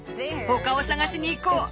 「他を探しに行こう！」。